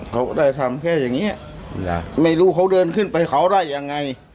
เขาได้ทำแค่อย่างเงี้ยไม่รู้เขาเดินขึ้นไปเขาได้ยังไง